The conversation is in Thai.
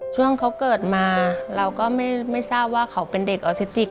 ช่วงเขาเกิดมาเราก็ไม่ทราบว่าเขาเป็นเด็กออทิติก